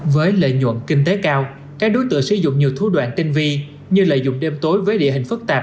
với lợi nhuận kinh tế cao các đối tượng sử dụng nhiều thú đoạn tinh vi như lợi dụng đêm tối với địa hình phức tạp